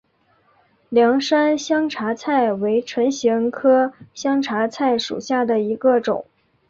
凉山香茶菜为唇形科香茶菜属下的一个种。